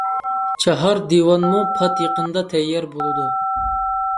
چاھار دىۋانمۇ پات يېقىندا تەييار بولىدۇ.